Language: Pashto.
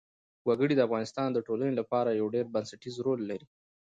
وګړي د افغانستان د ټولنې لپاره یو ډېر بنسټيز رول لري.